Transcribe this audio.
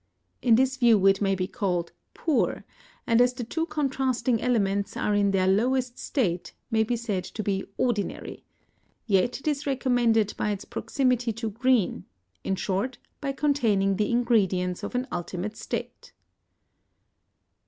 In this view it may be called poor, and as the two contrasting elements are in their lowest state, may be said to be ordinary; yet it is recommended by its proximity to green in short, by containing the ingredients of an ultimate state.